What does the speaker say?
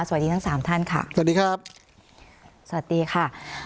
สวัสดีทั้งสามท่านค่ะสวัสดีครับสวัสดีค่ะ